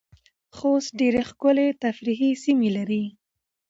خوست ډیرې ښکلې تفریحې سیمې لرې